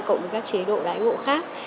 cộng với các chế độ đại ngộ khác